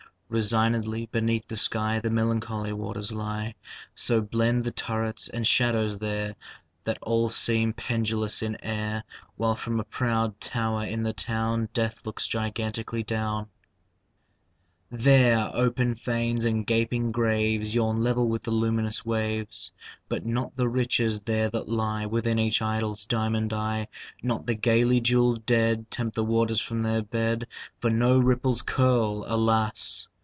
Resignedly beneath the sky The melancholy waters lie. So blend the turrets and shadows there That all seem pendulous in air, While from a proud tower in the town Death looks gigantically down. There open fanes and gaping graves Yawn level with the luminous waves, But not the riches there that lie Within each idol's diamond eye, Not the gaily jeweled dead Tempt the waters from their bed, For no ripples curl, alas!